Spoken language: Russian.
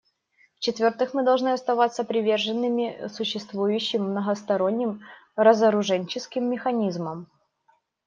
В-четвертых, мы должны оставаться приверженными существующим многосторонним разоруженческим механизмам.